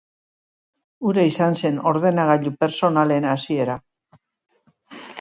Hura izan zen ordenagailu pertsonalen hasiera.